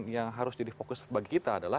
yang harus jadi fokus bagi kita adalah